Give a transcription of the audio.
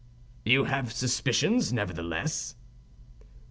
"You have suspicions, nevertheless?"